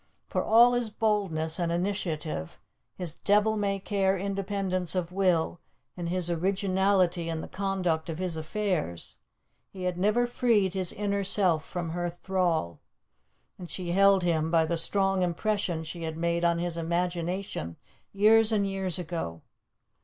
For all his boldness and initiative, his devil may care independence of will, and his originality in the conduct of his affairs, he had never freed his inner self from her thrall, and she held him by the strong impression she had made on his imagination years and years ago.